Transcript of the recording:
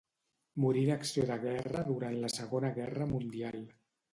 Morí en acció de guerra durant la Segona Guerra Mundial.